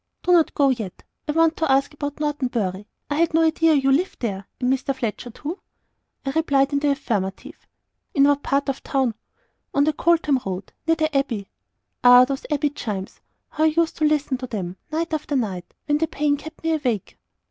"Do not go yet; I want to ask about Norton Bury. I had no idea you lived there. And Mr. Fletcher too?" I replied in the affirmative. "In what part of the town?" "On the Coltham Road, near the Abbey." "Ah, those Abbey chimes! how I used to listen to them, night after night, when the pain kept me awake!"